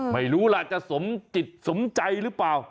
ไม่รู้ล่ะจะสมจิตสมใจหรือเปล่า